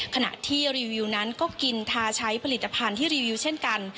ขณะที่รีวิวนั้นก็กินทาใช้ผลิตภัณฑ์ที่รีวิวเช่นกัน